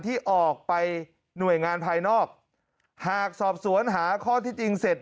ที่ออกไปหน่วยงานภายนอกหากสอบสวนหาข้อที่จริงเสร็จ